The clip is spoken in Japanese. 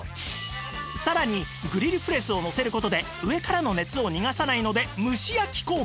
さらにグリルプレスをのせる事で上からの熱を逃がさないので蒸し焼き効果も！